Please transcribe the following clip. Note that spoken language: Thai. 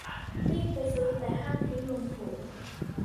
วิ่งไปซื้อ แต่ห้ามทิ้งลงโถ